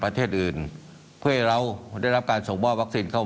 ประเทศอื่นเพื่อให้เราได้รับการส่งมอบวัคซีนเข้า